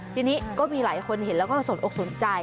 ทีนี้ก็มีหลายคนเห็นแล้วก็สนอกสนใจ